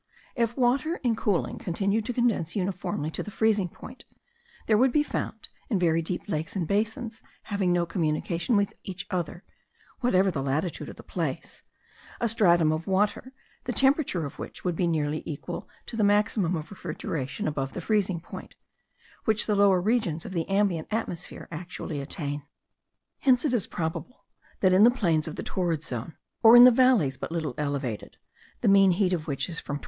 If water in cooling continued to condense uniformly to the freezing point, there would be found, in very deep lakes and basins having no communication with each other (whatever the latitude of the place), a stratum of water, the temperature of which would be nearly equal to the maximum of refrigeration above the freezing point, which the lower regions of the ambient atmosphere annually attain. Hence it is probable, that, in the plains of the torrid zone, or in the valleys but little elevated, the mean heat of which is from 25.